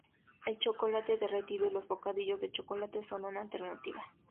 El chocolate derretido y los bocadillos de chocolate son una alternativa.